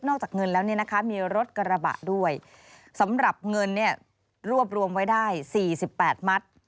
นอกจากเงินแล้วมีรถกระบะด้วยสำหรับเงินรวบรวมไว้ได้๔๘มัตต์